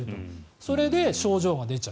それで症状が出ちゃう。